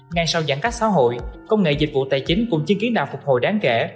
ngay sau giãn cách xã hội công nghệ dịch vụ tài chính cũng chứng kiến nào phục hồi đáng kể